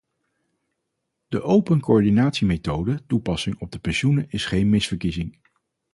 De open coördinatiemethode toepassen op de pensioenen is geen missverkiezing.